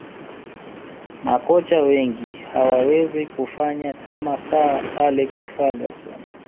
makocha wengi hawawezi kufanya kama sir alex ferguson